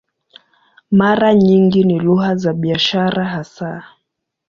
Mara nyingi ni lugha za biashara hasa.